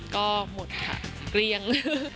ก็หดค่ะเกรียงเลย